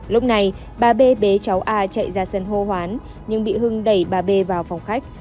lúc này bà bê cháu a chạy ra sân hô hoán nhưng bị hưng đẩy bà b vào phòng khách